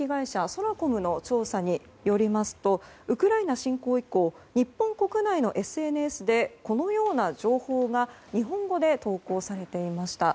ソラコムの調査によりますとウクライナ侵攻以降日本国内のＳＮＳでこのような情報が日本語で投稿されていました。